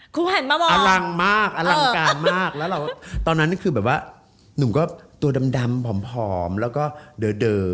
ครูหันมามองอลังการมากตอนนั้นคือแบบว่านุ่มก็ตัวดำผอมแล้วก็เดอะ